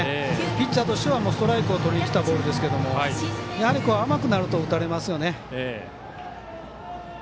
ピッチャーとしてはストライクをとりにきたボールですけどやはり甘くなると打たれますよね。